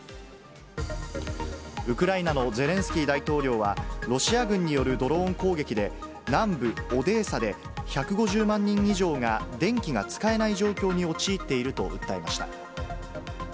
ウクライナのゼレンスキー大統領は、ロシア軍によるドローン攻撃で、南部オデーサで、１５０万人以上が電気が使えない状況に陥っていると訴えました。